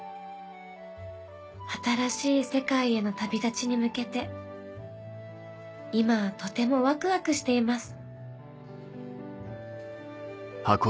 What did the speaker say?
新しい世界への旅立ちに向けて今はとてもワクワクしています」。